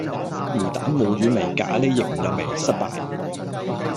魚蛋冇魚味，咖喱亦唔入味，失敗